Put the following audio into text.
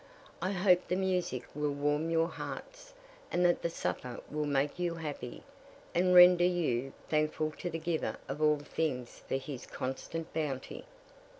I hope the music will warm your hearts, and that the supper will make you happy, and render you thankful to the Giver of all things for his constant bounty."